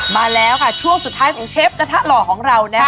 มาแล้วค่ะช่วงสุดท้ายของเชฟกระทะหล่อของเรานะคะ